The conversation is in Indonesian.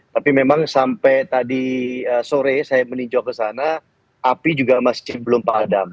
tapi memang sampai tadi sore saya meninjau ke sana api juga masih belum padam